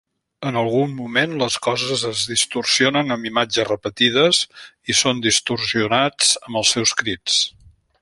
En algun moment, les coses es distorsionen amb imatges repetides i sons distorsionats amb els seus crits.